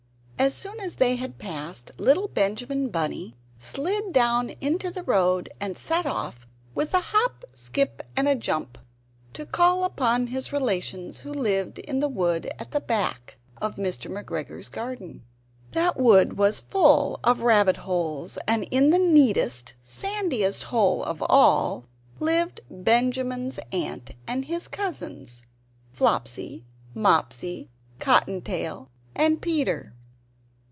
As soon as they had passed, little Benjamin Bunny slid down into the road, and set off with a hop, skip, and a jump to call upon his relations, who lived in the wood at the back of Mr. McGregor's garden. That wood was full of rabbit holes; and in the neatest, sandiest hole of all lived Benjamin's aunt and his cousins Flopsy, Mopsy, Cotton tail, and Peter.